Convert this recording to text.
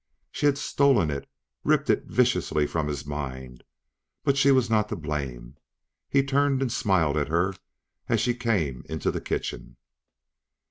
She had stolen it, ripped it viciously from his mind; but she was not to blame. He turned and smiled at her as she came into the kitchen.